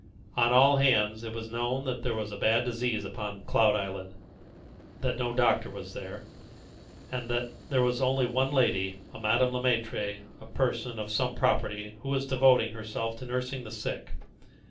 On all hands it was known that there was bad disease upon Cloud Island, that no doctor was there, and that there was one lady, a Madame Le Maître, a person of some property, who was devoting herself to nursing the sick.